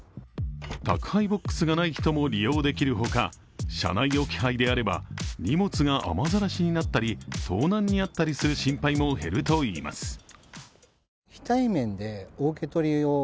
宅配ボックスがない人も利用できるほか、車内置き配であれば、荷物が雨ざらしに遭ったり、盗難に遭ったりする心配も減るといいます。